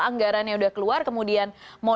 anggarannya sudah keluar kemudian